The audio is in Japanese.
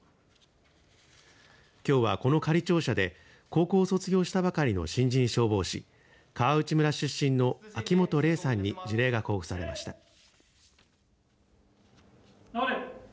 きょうはこの仮庁舎で高校を卒業したばかりの新人消防士川内村出身の秋元怜さんに辞令が交付されました。